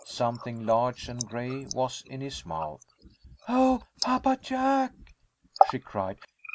Something large and gray was in his mouth. "Oh, Papa Jack!" she cried.